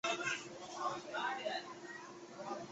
他传授的八极拳都参以一套劈挂掌。